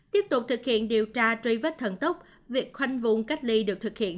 tiếp tục thực hiện điều tra truy vết thần tốc việc khoanh vùng cách ly được thực hiện